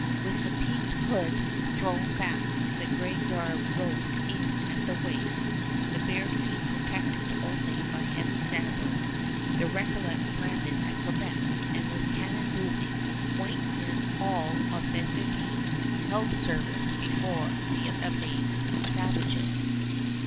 With the peaked hood thrown back, the gray garb roped in at the waist, the bare feet protected only by heavy sandals, the Recollets landed at Quebec, and with cannon booming, white men all on bended knee, held service before the amazed savages.